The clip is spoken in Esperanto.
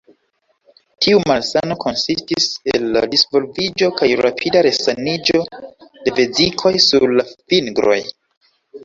Tiu malsano konsistis el la disvolviĝo kaj rapida resaniĝo de vezikoj sur la fingroj.